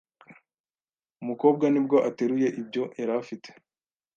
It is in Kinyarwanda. umukobwa nibwo ateruye ibyo yarafite